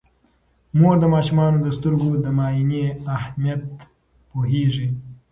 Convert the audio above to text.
مور د ماشومانو د سترګو د معاینې اهمیت پوهیږي.